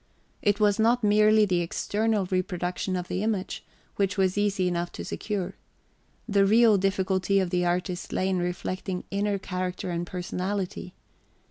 It was not merely the external reproduction of the image, which was easy enough to secure. The real difficulty of the artist lay in reflecting inner character and personality.